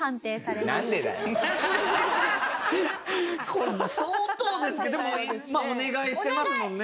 これ相当ですけどでもお願いしてますもんね。